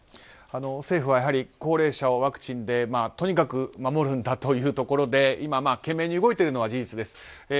政府は高齢者をワクチンでとにかく守るんだというところで今、懸命に動いているのは事実です。